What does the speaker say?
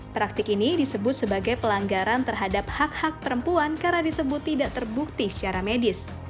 praktik ini disebut sebagai pelanggaran terhadap hak hak perempuan karena disebut tidak terbukti secara medis